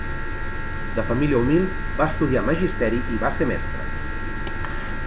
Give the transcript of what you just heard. De família humil, va estudiar magisteri i va ser mestre.